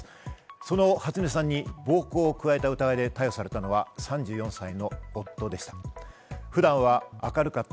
その初音さんに暴行を加えた疑いで逮捕されたのは３４歳の夫でした。